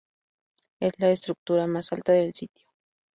Es la estructura más alta del sitio.